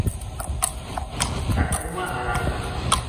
Takuma Arano